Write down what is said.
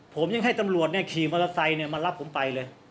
ผมยังให้ตำรวจขี่มอเตอร์ไซค์มารับผมไปเลย